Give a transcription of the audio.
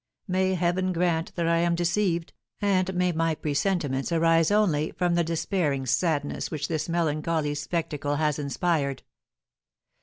May Heaven grant that I am deceived, and may my presentiments arise only from the despairing sadness which this melancholy spectacle has inspired!